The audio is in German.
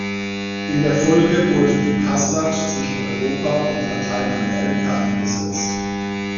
In der Folge wurde die "Passat" zwischen Europa und Lateinamerika eingesetzt.